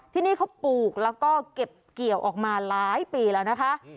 ที่นี่เขาปลูกแล้วก็เก็บเกี่ยวออกมาหลายปีแล้วนะคะ